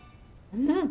うん！